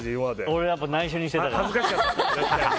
俺、やっぱり内緒にしてたから。